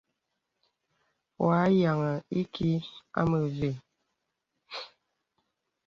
Wɔ̄ a yìaŋə ìkì a mə ve.